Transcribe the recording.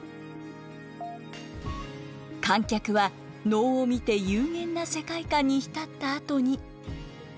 観客は能を見て幽玄な世界観に浸ったあとに。